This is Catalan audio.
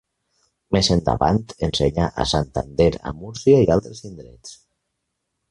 Més endavant ensenyà a Santander, a Múrcia i a altres indrets.